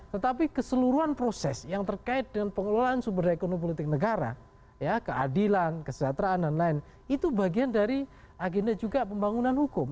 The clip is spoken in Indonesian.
tetapi keseluruhan proses yang terkait dengan pengelolaan sumber daya ekonomi politik negara keadilan kesejahteraan dan lain itu bagian dari agenda juga pembangunan hukum